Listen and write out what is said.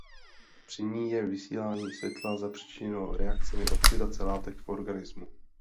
Při ní je vysílání světla zapříčiněno reakcemi oxidace látek v organismu.